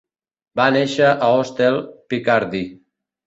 Va néixer a Ostel, Picardy.